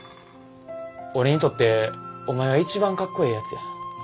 俺にとってお前は一番かっこええやつや。